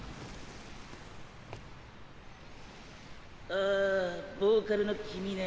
あボーカルの君ね。